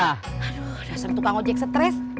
dasar tukang ojek stres